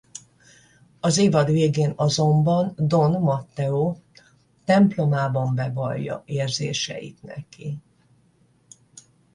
Az évad végén azonban Don Matteo templomában bevallja érzéseit neki.